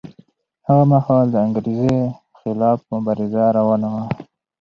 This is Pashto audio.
هغه مهال د انګریزۍ خلاف مبارزه روانه وه.